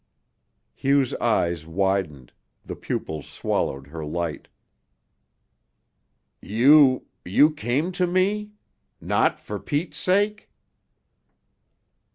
Hugh's eyes widened, the pupils swallowing her light. "You you came to me? Not for Pete's sake?"